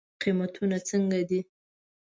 قیمتونه څنګه دی؟